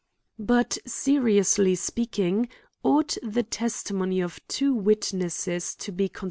But, seriously speaking ought the testimony of two witnesses to be consi